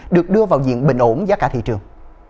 được đưa vào diện bình ổn giá cả thị trường